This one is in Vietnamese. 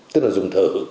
tức là dùng thử